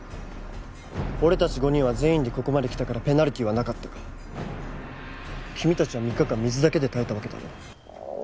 俺たち５人は全員でここまで来たからペナルティーはなかったが君たちは３日間水だけで耐えたわけだろ？